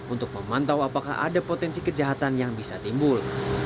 untuk memantau apakah ada potensi kejahatan yang bisa timbul